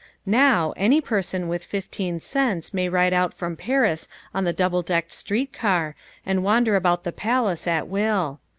Now, any person with fifteen cents may ride out from Paris on the double decked street car and wander about the palace at will.